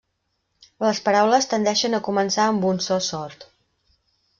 Les paraules tendeixen a començar amb un so sord.